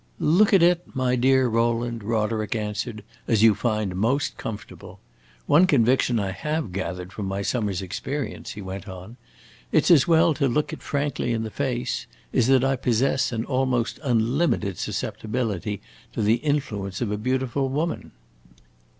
"Look at it, my dear Rowland," Roderick answered, "as you find most comfortable. One conviction I have gathered from my summer's experience," he went on "it 's as well to look it frankly in the face is that I possess an almost unlimited susceptibility to the influence of a beautiful woman."